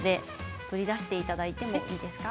取り出しいただいてもよろしいですか？